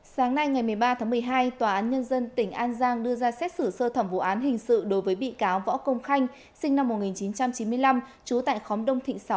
sáng nay ngày một mươi ba tháng một mươi hai tòa án nhân dân tỉnh an giang đưa ra xét xử sơ thẩm vụ án hình sự đối với bị cáo võ công khanh sinh năm một nghìn chín trăm chín mươi năm trú tại khóm đông thịnh sáu